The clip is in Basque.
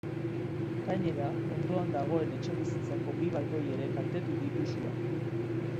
Gainera, ondoan dagoen etxebizitzako bi balkoi ere kaltetu ditu suak.